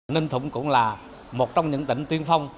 ninh thuận cũng là một trong những tỉnh tiên phong